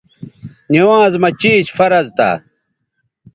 نِوانز مہ چیش فرض تھا